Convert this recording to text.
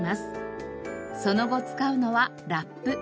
その後使うのはラップ。